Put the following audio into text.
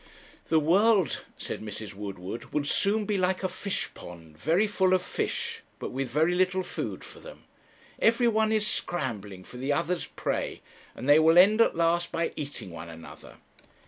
'The world,' said Mrs. Woodward, 'will soon be like a fishpond, very full of fish, but with very little food for them. Every one is scrambling for the others' prey, and they will end at last by eating one another.